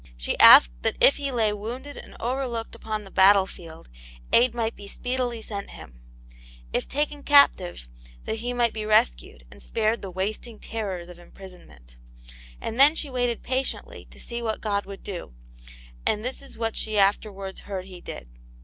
She asked that if he lay wounded and overlooked upon the battle field, aid might speedily be sent him ; if taken captive that he might be rescued, and spared the wasting terrors of imprisonment. And then she waited patiently to see what God w6uld do, and this IS what she afterwards heard He did.